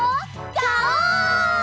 ガオー！